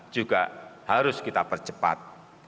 juga harus kita percepat